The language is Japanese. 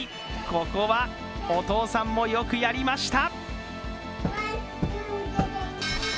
ここはお父さんもよくやりました。